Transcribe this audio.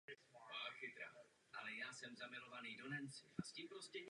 Stejným způsobem byly připojeny i holé nebo izolované vodiče pro ostatní spoje.